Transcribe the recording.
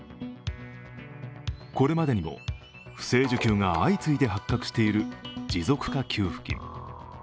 これまでにも不正受給が相次いで発覚している持続化給付金。